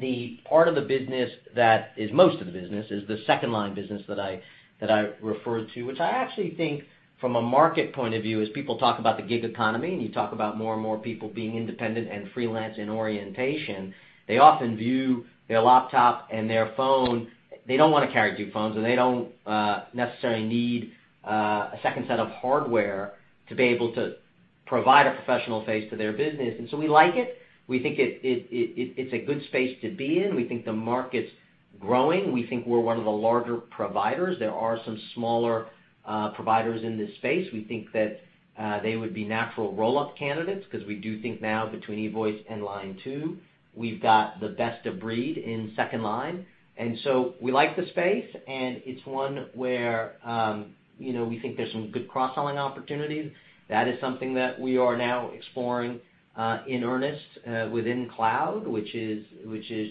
the part of the business that is most of the business is the second-line business that I referred to, which I actually think from a market point of view, as people talk about the gig economy, and you talk about more and more people being independent and freelance in orientation. They often view their laptop and their phone. They don't want to carry two phones, and they don't necessarily need a second set of hardware to be able to provide a professional face to their business. We like it. We think it's a good space to be in. We think the market's growing. We think we're one of the larger providers. There are some smaller providers in this space, we think that they would be natural roll-up candidates because we do think now between eVoice and Line2, we've got the best of breed in second line. We like the space, and it's one where we think there's some good cross-selling opportunities. That is something that we are now exploring in earnest within Cloud, which is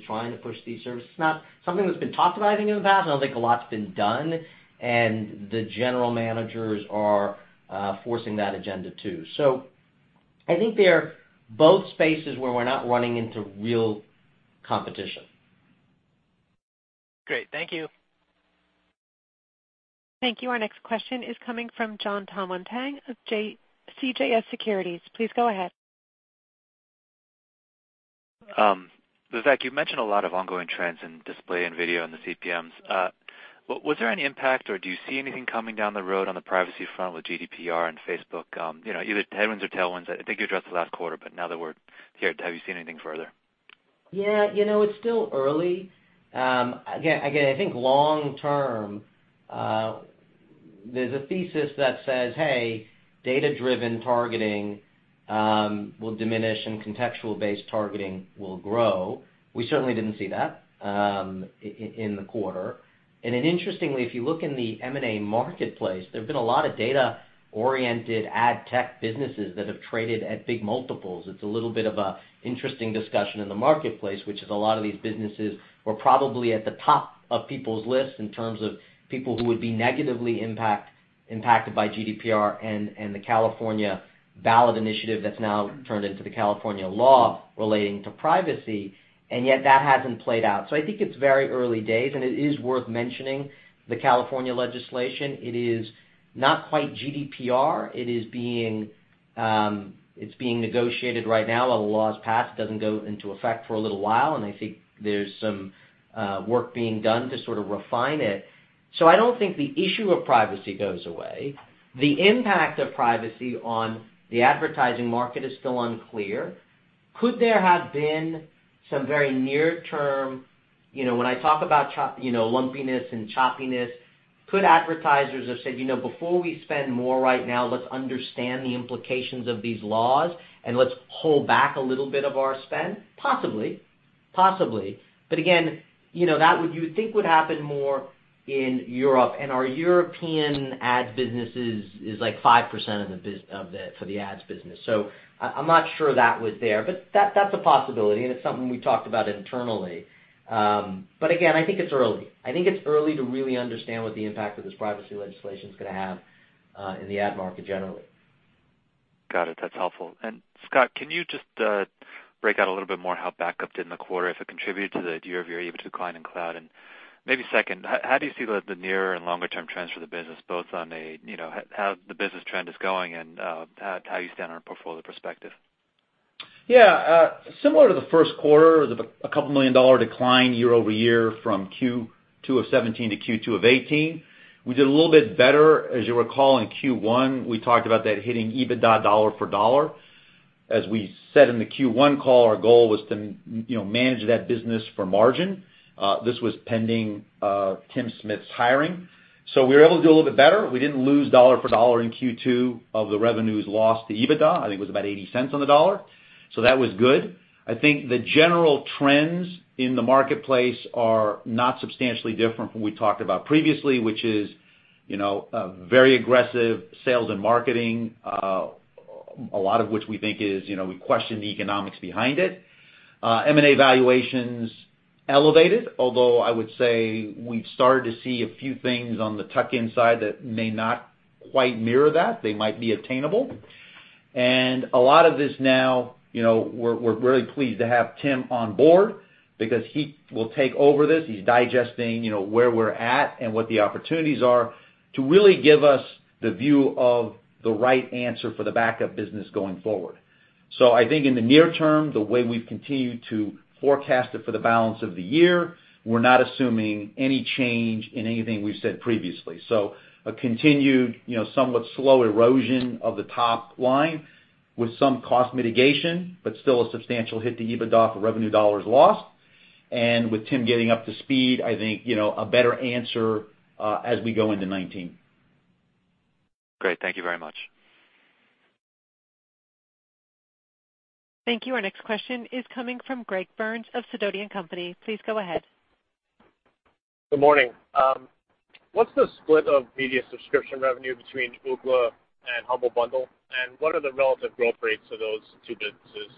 trying to push these services. It's not something that's been talked about, I think, in the past, and I don't think a lot's been done, and the general managers are forcing that agenda, too. I think they're both spaces where we're not running into real competition. Great. Thank you. Thank you. Our next question is coming from Jonathan Tanwanteng of CJS Securities. Please go ahead. Vivek, you've mentioned a lot of ongoing trends in display and video in the CPMs. Was there any impact, or do you see anything coming down the road on the privacy front with GDPR and Facebook? Either headwinds or tailwinds. I think you addressed it last quarter, but now that we're here, have you seen anything further? Yeah. It's still early. Again, I think long term, there's a thesis that says, "Hey, data-driven targeting will diminish and contextual-based targeting will grow." We certainly didn't see that in the quarter. Then interestingly, if you look in the M&A marketplace, there have been a lot of data-oriented ad tech businesses that have traded at big multiples. It's a little bit of a interesting discussion in the marketplace, which is a lot of these businesses were probably at the top of people's lists in terms of people who would be negatively impacted by GDPR and the California ballot initiative that's now turned into the California law relating to privacy, and yet that hasn't played out. I think it's very early days, and it is worth mentioning the California legislation. It is not quite GDPR. It's being negotiated right now. While the law is passed, it doesn't go into effect for a little while, and I think there's some work being done to sort of refine it. I don't think the issue of privacy goes away. The impact of privacy on the advertising market is still unclear. Could there have been some very near-term-- when I talk about lumpiness and choppiness, could advertisers have said, "Before we spend more right now, let's understand the implications of these laws, and let's hold back a little bit of our spend?" Possibly. Again, that you would think would happen more in Europe, and our European ad business is like 5% for the ads business. I'm not sure that was there, but that's a possibility, and it's something we talked about internally. Again, I think it's early. I think it's early to really understand what the impact of this privacy legislation is going to have in the ad market generally. Got it. That's helpful. Scott, can you just break out a little bit more how Backups did in the quarter if it contributed to the year-over-year EBITDA decline in Cloud? Maybe second, how do you see the near and longer-term trends for the business, both on how the business trend is going and how you stand on a portfolio perspective? Yeah. Similar to the first quarter, a couple million dollar decline year-over-year from Q2 of 2017 to Q2 of 2018. We did a little bit better. As you'll recall, in Q1, we talked about that hitting EBITDA dollar for dollar. As we said in the Q1 call, our goal was to manage that business for margin. This was pending Tim Smith's hiring. We didn't lose dollar for dollar in Q2 of the revenues lost to EBITDA. I think it was about $0.80 on the dollar. That was good. I think the general trends in the marketplace are not substantially different from what we talked about previously, which is very aggressive sales and marketing, a lot of which we think is, we question the economics behind it. M&A valuations elevated, although I would say we've started to see a few things on the tuck-in side that may not quite mirror that. They might be attainable. A lot of this now, we're really pleased to have Tim on board because he will take over this. He's digesting where we're at and what the opportunities are to really give us the view of the right answer for the Backup Business going forward. I think in the near term, the way we've continued to forecast it for the balance of the year, we're not assuming any change in anything we've said previously. A continued, somewhat slow erosion of the top line with some cost mitigation, but still a substantial hit to EBITDA for revenue dollars lost. With Tim getting up to speed, I think, a better answer as we go into 2019. Great. Thank you very much. Thank you. Our next question is coming from Gregory Burns of Sidoti & Company. Please go ahead. Good morning. What's the split of media subscription revenue between Ookla and Humble Bundle, and what are the relative growth rates of those two businesses?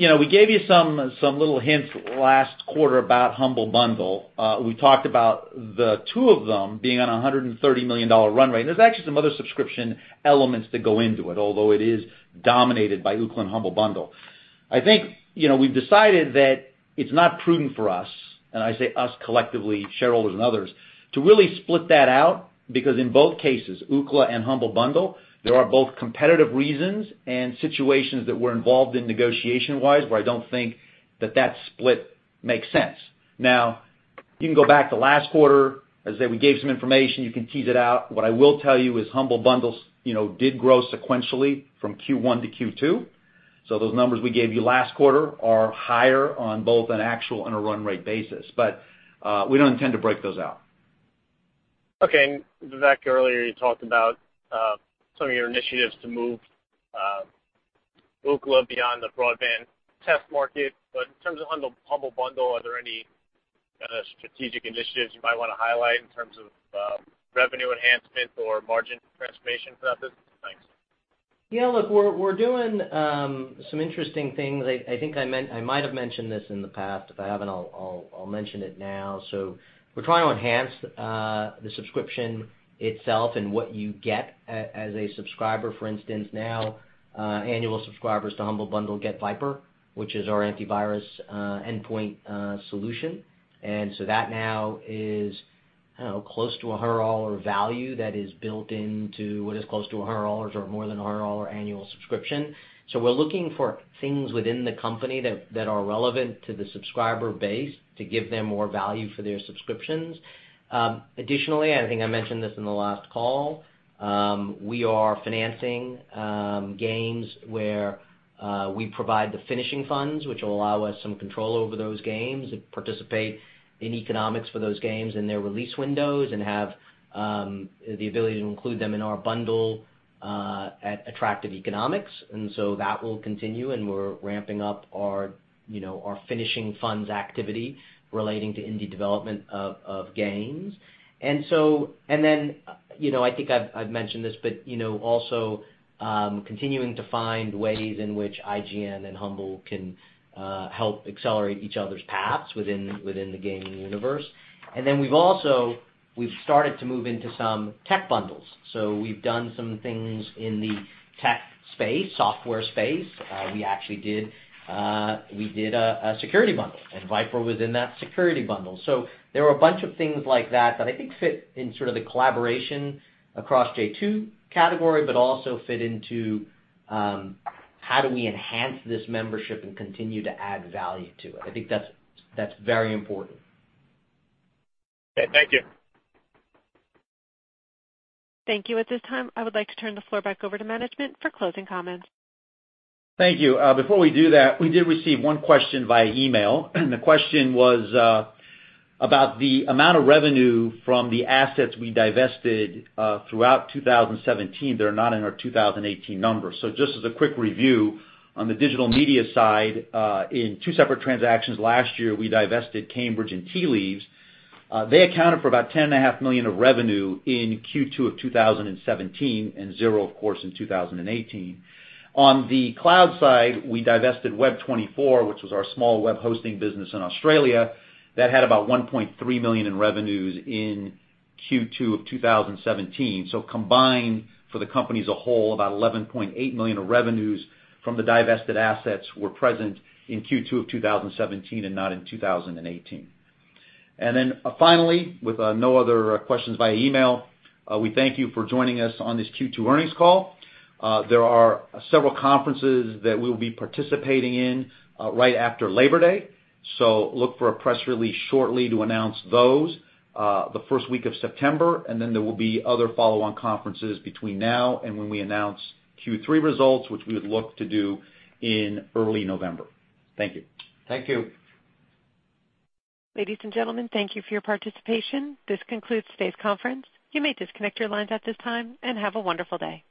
We gave you some little hints last quarter about Humble Bundle. We talked about the two of them being on $130 million run rate, and there's actually some other subscription elements that go into it, although it is dominated by Ookla and Humble Bundle. I think we've decided that it's not prudent for us, and I say us collectively, shareholders and others, to really split that out because in both cases, Ookla and Humble Bundle, there are both competitive reasons and situations that we're involved in negotiation-wise where I don't think that that split makes sense. You can go back to last quarter. As I said, we gave some information. You can tease it out. What I will tell you is Humble Bundle did grow sequentially from Q1 to Q2. Those numbers we gave you last quarter are higher on both an actual and a run rate basis. We don't intend to break those out. Vivek, earlier you talked about some of your initiatives to move Ookla beyond the broadband test market, but in terms of Humble Bundle, are there any kind of strategic initiatives you might want to highlight in terms of revenue enhancement or margin transformation for that business? Thanks. Yeah, look, we're doing some interesting things. I think I might have mentioned this in the past. If I haven't, I'll mention it now. We're trying to enhance the subscription itself and what you get as a subscriber. For instance, now annual subscribers to Humble Bundle get VIPRE, which is our antivirus endpoint solution. That now is close to a $100 value that is built into what is close to $100 or more than a $100 annual subscription. We're looking for things within the company that are relevant to the subscriber base to give them more value for their subscriptions. Additionally, I think I mentioned this in the last call, we are financing games where we provide the finishing funds, which will allow us some control over those games and participate in economics for those games in their release windows and have the ability to include them in our bundle at attractive economics. That will continue, and we're ramping up our finishing funds activity relating to indie development of games. I think I've mentioned this, but also continuing to find ways in which IGN and Humble can help accelerate each other's paths within the gaming universe. We've started to move into some tech bundles. We've done some things in the tech space, software space. We actually did a security bundle, and VIPRE was in that security bundle. There are a bunch of things like that that I think fit in sort of the collaboration across j2 category, but also fit into how do we enhance this membership and continue to add value to it. I think that's very important. Okay, thank you. Thank you. At this time, I would like to turn the floor back over to management for closing comments. Thank you. Before we do that, we did receive one question via email, and the question was about the amount of revenue from the assets we divested throughout 2017 that are not in our 2018 numbers. Just as a quick review, on the digital media side, in two separate transactions last year, we divested Cambridge and Tea Leaves. They accounted for about $10.5 million of revenue in Q2 of 2017 and zero, of course, in 2018. On the cloud side, we divested Web24, which was our small web hosting business in Australia that had about $1.3 million in revenues in Q2 of 2017. Combined for the company as a whole, about $11.8 million of revenues from the divested assets were present in Q2 of 2017 and not in 2018. Finally, with no other questions via email, we thank you for joining us on this Q2 earnings call. There are several conferences that we'll be participating in right after Labor Day. Look for a press release shortly to announce those the first week of September, there will be other follow-on conferences between now and when we announce Q3 results, which we would look to do in early November. Thank you. Thank you. Ladies and gentlemen, thank you for your participation. This concludes today's conference. You may disconnect your lines at this time, and have a wonderful day.